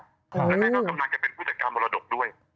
แล้วแม่ก็กำลังจะเป็นผู้จัดการมรดกด้วย